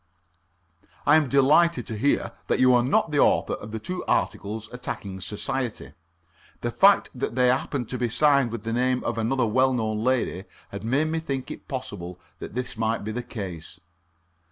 "I am delighted to hear that you are not the author of the two articles attacking Society. The fact that they happen to be signed with the name of another well known lady had made me think it possible that this might be the case.